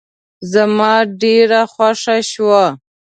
زما ډېره خوښه شوه.